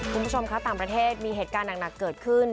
คุณผู้ชมคะต่างประเทศมีเหตุการณ์หนักเกิดขึ้น